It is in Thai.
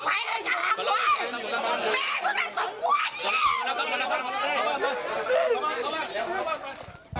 พวกเราเป็นสมควร